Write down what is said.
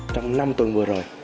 trong năm tuần vừa rồi